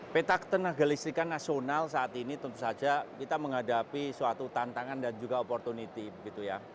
peta ketenaga listrikan nasional saat ini tentu saja kita menghadapi suatu tantangan dan juga opportunity begitu ya